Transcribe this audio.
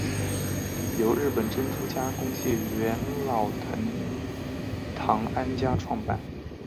由日本珍珠加工界元老藤堂安家创办。